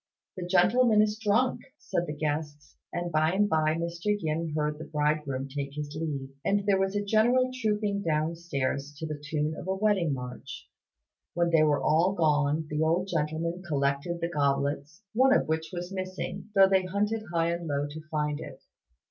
"The gentleman is drunk," said the guests; and by and by Mr. Yin heard the bridegroom take his leave, and there was a general trooping downstairs to the tune of a wedding march. When they were all gone the old gentleman collected the goblets, one of which was missing, though they hunted high and low to find it.